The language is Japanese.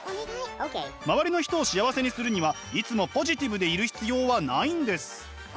周りの人を幸せにするにはいつもポジティブでいる必要はないんです。